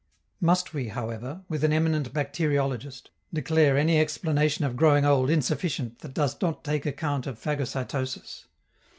" Must we however with an eminent bacteriologist declare any explanation of growing old insufficient that does not take account of phagocytosis?